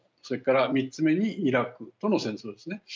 それから、３つ目にイラクとの戦争ですね。